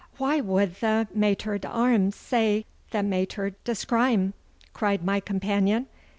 'What would the maitre d'armes say the maitre d'escrime?' cried my companion.